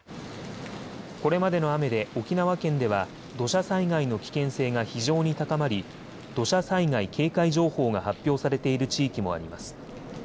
これまでの雨で沖縄県では土砂災害の危険性が非常に高まり土砂災害警戒情報が発表されている地域もあります。